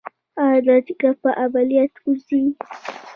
ایا دا تیږه په عملیات وځي؟